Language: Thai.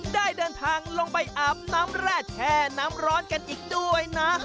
ได้เดินทางลงไปอาบน้ำแร่แช่น้ำร้อนกันอีกด้วยนะ